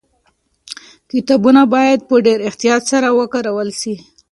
کتابونه باید په ډېر احتیاط سره وکارول سي.